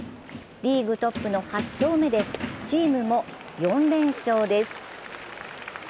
リーグトップの８勝目でチームも４連勝です。